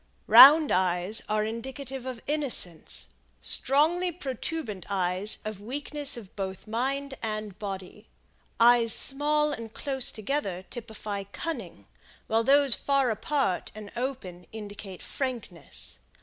Round eyes are indicative of innocence; strongly protuberant eyes of weakness of both mind and body. Eyes small and close together typify cunning, while those far apart and open indicate frankness.